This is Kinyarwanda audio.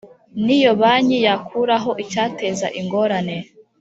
N Iyo Banki Yakuraho Icyateza Ingorane